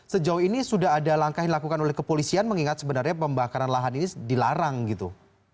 sejauh ini sudah ada langkah yang dilakukan oleh kepolisian mengingat sebenarnya pembakaran lahan ini dilarang gitu